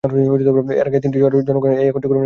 এর আগে তিনটি শহরের জনগণ এই একত্রীকরণের পক্ষে ভোট দেন।